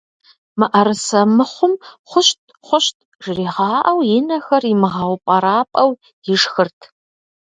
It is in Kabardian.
МыӀэрысэ мыхъум «хъущт, хъущт» жригъэӏэу, и нэхэр имыгъэупӏэрапӏэу ишхырт.